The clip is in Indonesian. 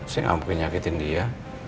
saya gak mungkin nyakitin dia